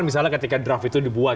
misalnya ketika draft itu dibuat